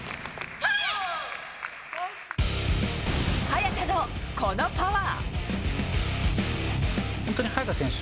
早田の、このパワー。